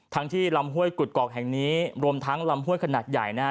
ที่ลำห้วยกุดกอกแห่งนี้รวมทั้งลำห้วยขนาดใหญ่นะฮะ